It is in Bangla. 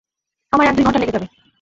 আমার এক দুই ঘন্টা লেগে যাবে।